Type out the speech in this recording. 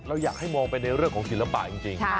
อยากให้มองไปในเรื่องของศิลปะจริง